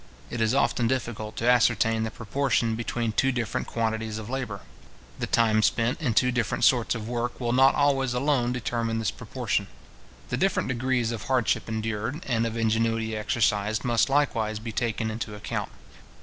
It is often difficult to ascertain the proportion between two different quantities of labour. The time spent in two different sorts of work will not always alone determine this proportion. The different degrees of hardship endured, and of ingenuity exercised, must likewise be taken into account.